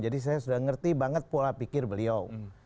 saya sudah mengerti banget pola pikir beliau